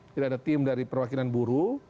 jadi ada tim dari perwakilan buru